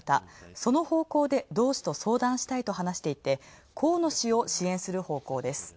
その方向で同志と相談したいと話していて、河野氏を支援する方向です。